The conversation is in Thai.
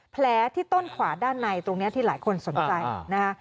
แผลที่ต้นขวาด้านในตรงนี้ที่หลายคนสนใจนะคะ